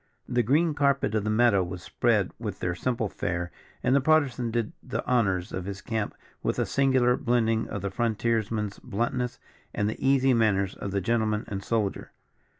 The green carpet of the meadow was spread with their simple fair, and the Partisan did the honours of his camp with a singular blending of the frontiers man's bluntness, and the easy manners of the gentleman and soldier.